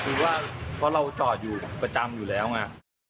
คือว่าเพราะเราจอดอยู่ประจำอยู่แล้วไง